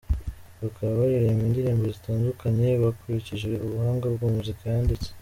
Bakaba baririmba indirimbo zitandukanye bakurikije ubuhanga bwa muzika yanditse.